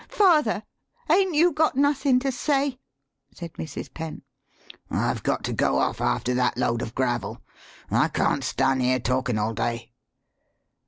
] "Father, 'ain't you got nothin' to say?" said Mrs. Penn. " I've got to go off after that load of gravel. I can't stan' here talkin' all day."